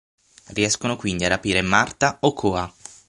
Riescono quindi a rapire Marta Ochoa.